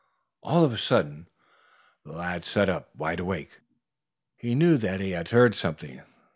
All of a sudden the lad sat up wide awake. He knew that he had heard something.